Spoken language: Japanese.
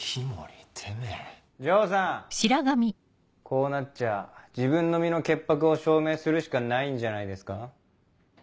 こうなっちゃあ自分の身の潔白を証明するしかないんじゃないですか？